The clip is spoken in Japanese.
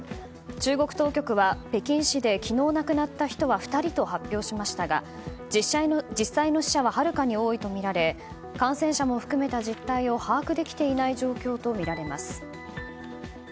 中国当局は北京市で昨日亡くなった人は２人と発表しましたが実際の死者ははるかに多いとみられ感染者も含めた実態を把握できていない状況とみられます。